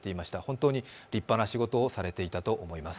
本当に立派な仕事をされていたと思います。